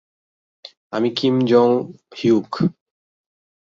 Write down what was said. আমি Kim Jong-hyuk.